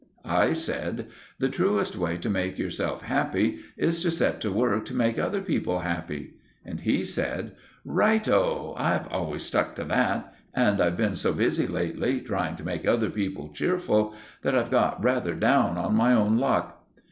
I said— "The truest way to make yourself happy is to set to work to make other people happy." And he said— "Righto! I've always stuck to that. And I've been so busy lately, trying to make other people cheerful, that I've got rather down on my own luck."